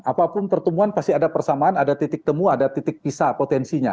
apapun pertemuan pasti ada persamaan ada titik temu ada titik pisah potensinya